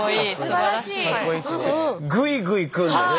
グイグイいくんだね。